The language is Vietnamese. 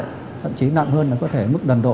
thậm chí nặng hơn là có thể mức gần độ